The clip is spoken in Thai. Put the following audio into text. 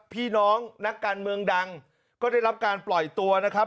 พี่น้องนักการเมืองดังก็ได้รับการปล่อยตัวนะครับ